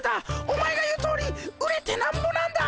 お前が言うとおり売れてなんぼなんだ。